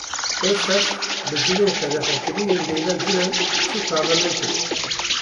Beştaş bi cilên qedexekirî yên Leyla Guven çû parlamentoyê.